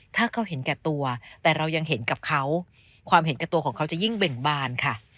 ถ้าเขาเห็นแก่ตัวแต่เรายังเห็นกับเขาความเห็นกับตัวของเขาจะยิ่งเบ่งบานค่ะ